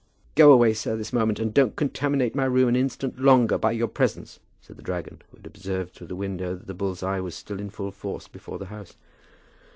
"Go away, sir, this moment, and don't contaminate my room an instant longer by your presence," said the dragon, who had observed through the window that the bull's eye was still in full force before the house.